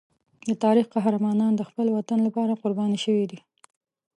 د تاریخ قهرمانان د خپل وطن لپاره قربان شوي دي.